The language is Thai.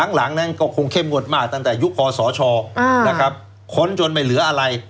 หลังนั้นก็คงเข้มงวดมากตั้งแต่ยุคคอสชนะครับค้นจนไม่เหลืออะไร